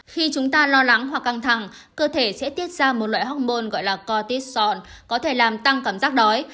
khi chúng ta lo lắng hoặc căng thẳng cơ thể sẽ tiết ra một loại hormôn gọi là cortisone có thể làm tăng cảm giác đói